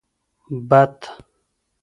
بط 🦆